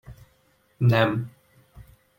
Nem!